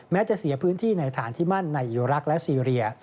แม้จะเสียพื้นที่ในฐานที่มั่นในอิรักษ์และซีเรีย